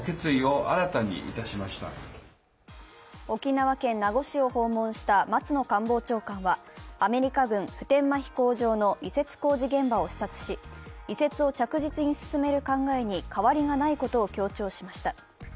沖縄県名護市を訪問した松野官房長官は、アメリカ軍普天間飛行場の移設工事現場を視察し、移設を着実に進める考えに変わりがないことを強調しました。